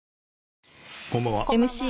こんばんは。